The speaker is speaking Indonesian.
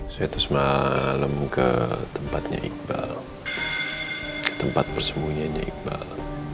saya tuh semalem ke tempatnya iqbal ke tempat persembunyiannya iqbal